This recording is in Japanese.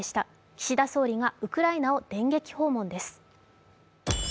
岸田総理がウクライナを電撃訪問です。